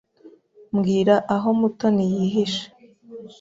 Mbwira aho Mutoni yihishe.